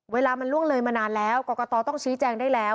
เวลามันล่วงเลยมานานแล้วกรกตต้องชี้แจงได้แล้ว